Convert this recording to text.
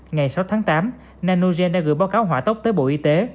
ngày sáu tháng tám nanogen đã gửi báo cáo hỏa tốc tới bộ y tế